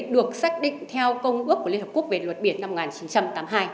được xác định theo công ước của liên hợp quốc về luật biển năm một nghìn chín trăm tám mươi hai